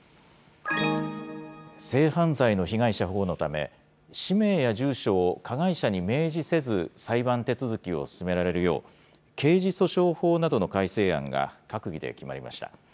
性犯罪の被害者保護のため、氏名や住所を加害者に明示せず、裁判手続きを進められるよう、刑事訴訟法などの改正案が閣議で決まりました。